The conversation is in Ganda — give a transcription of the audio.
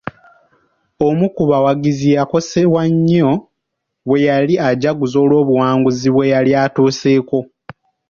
Omu ku bawagizi yakosebwa nnyo bweyali ajaguza olw'obuwanguzi bwe yali atuuseko.